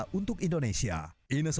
masuk ke siaga tiga